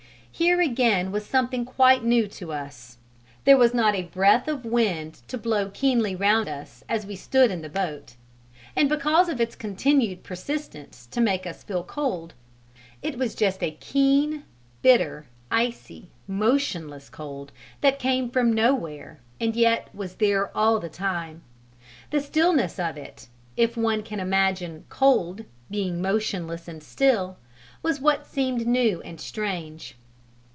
Here again was something quite new to us: there was not a breath of wind to blow keenly round us as we stood in the boat, and because of its continued persistence to make us feel cold; it was just a keen, bitter, icy, motionless cold that came from nowhere and yet was there all the time; the stillness of it if one can imagine "cold" being motionless and still was what seemed new and strange.